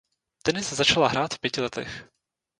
Tenis začala hrát v pěti letech.